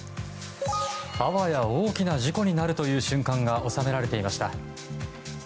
あわや大きな事故になるという瞬間が収められていました。